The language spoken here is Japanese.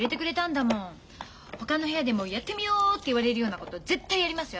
ほかの部屋でもやってみようって言われるようなこと絶対やりますよ